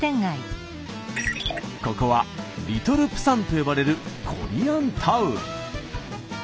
ここは「リトル釜山」と呼ばれるコリアンタウン。